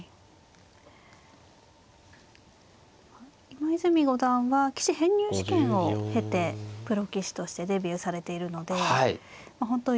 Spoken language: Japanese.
今泉五段は棋士編入試験を経てプロ棋士としてデビューされているので本当